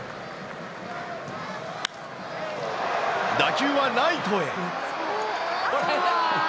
打球はライトへ。